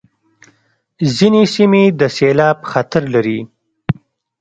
ځینې سیمې د سېلاب خطر لري.